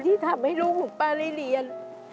ที่ทำให้ลูกของป้าได้เรียน